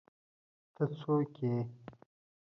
ته څوک ېې